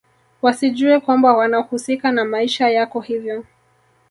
wasijue kwamba wanahusika na maisha yako hivyo